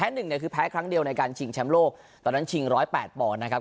หนึ่งเนี่ยคือแพ้ครั้งเดียวในการชิงแชมป์โลกตอนนั้นชิงร้อยแปดปอนด์นะครับ